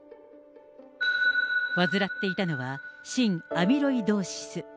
患っていたのは、心アミロイドーシス。